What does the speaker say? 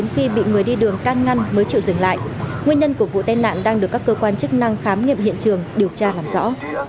nguyên nhân của vụ tên nạn đang được các cơ quan chức năng khám nghiệp hiện trường điều tra làm rõ